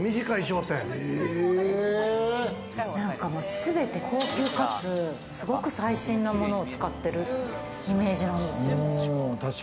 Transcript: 全て高級かつ、すごく最新のものを使ってるイメージなんですよ。